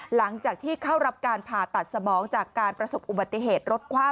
หลังจากที่เข้ารับการผ่าตัดสมองจากการประสบอุบัติเหตุรถคว่ำ